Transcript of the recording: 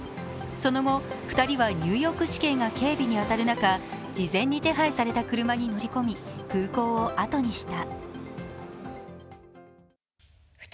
その後、２人はニューヨーク市警が警備に当たる中、事前に手配された車に乗り込み空港をあとにした。